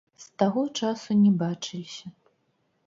З таго часу не бачыліся.